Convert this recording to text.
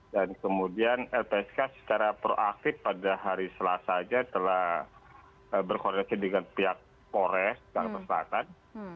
dan kemudian lpsk secara proaktif pada hari selasa saja telah berkoneksi dengan pihak kores bang ketua selatan